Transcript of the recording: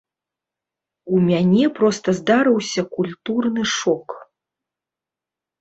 У мяне проста здарыўся культурны шок.